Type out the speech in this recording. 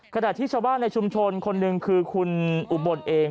ขณะที่ชาวบ้านในชุมชนคนหนึ่งคือคุณอุบลเอง